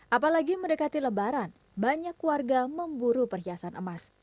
apalagi mendekati lebaran banyak warga memburu perhiasan emas